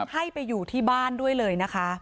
ให้ไปอยู่ที่บ้านด้วยเลยนะคะ